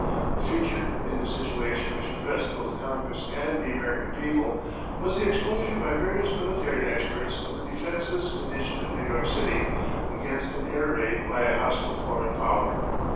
A feature in the situation which impressed both Congress and the American people was the exposure by various military experts of the defenceless condition of New York City against an air raid by a hostile foreign power.